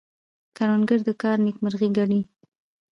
کروندګر د کار نیکمرغي ګڼي